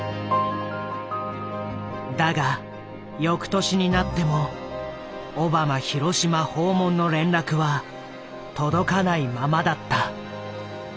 だが翌年になってもオバマ広島訪問の連絡は届かないままだった。